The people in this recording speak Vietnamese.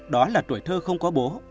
đó là tuổi thơ không có bố